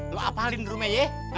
lo apalin di rumah ye